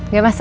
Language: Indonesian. gue masuk ya